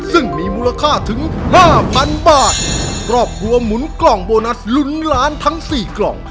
ซึ่งมีมูลค่าถึงห้าพันบาทครอบครัวหมุนกล่องโบนัสลุ้นล้านทั้งสี่กล่อง